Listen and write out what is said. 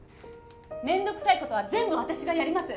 めんどくさいことは全部私がやります